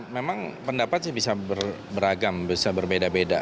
memang pendapat sih bisa beragam bisa berbeda beda